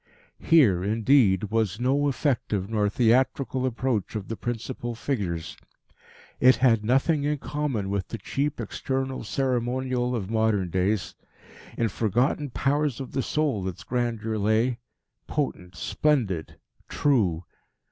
Here, indeed, was no effective nor theatrical approach of the principal figures. It had nothing in common with the cheap external ceremonial of modern days. In forgotten powers of the soul its grandeur lay, potent, splendid, true.